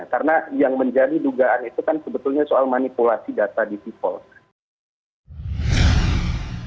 karena yang menjadi dugaan itu kan sebetulnya soal manipulasi data di sipol